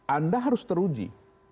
anda harus teruji